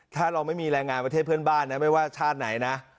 ถ้าเราไม่มีแรงงานประเทศเพื่อนบ้านนะไม่ว่าชาติไหนนะ